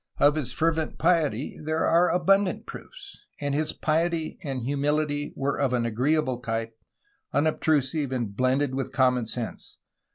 Of his fervent piety there are abundant proofs; and his piety and humility were of an agreeable type, unobtrusive, and blended with common sense